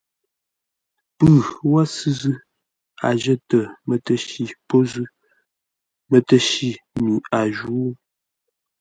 Pʉ wə́ sʉ̂ zʉ́, a jətə mətəshi pô zʉ́, mətəshi mi a jǔ.